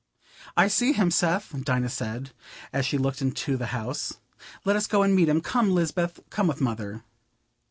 "I see him, Seth," Dinah said, as she looked into the house. "Let us go and meet him. Come, Lisbeth, come with Mother."